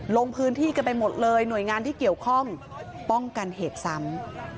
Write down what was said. ลงพื้นที่กันไปหมดเลยหน่วยงานที่เกี่ยวข้องป้องกันเหตุซ้ำ